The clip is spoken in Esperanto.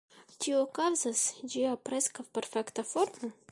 Tio kaŭzas ĝia preskaŭ perfekta formo.